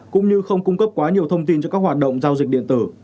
cũng như không cung cấp quá nhiều thông tin cho các hoạt động giao dịch điện tử